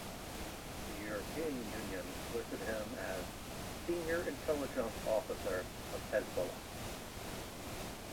The European Union listed him as "Senior Intelligence Officer of Hezbollah".